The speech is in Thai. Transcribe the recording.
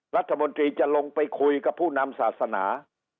รัฐมนตรีจะลงไปคุยกับผู้นำศาสนา